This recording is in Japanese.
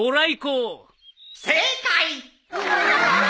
正解！